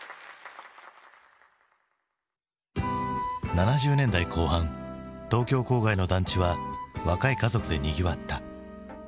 ７０年代後半東京郊外の団地は若い家族でにぎわった。